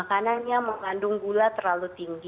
makanannya mengandung gula terlalu tinggi